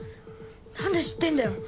何で知ってんだよ。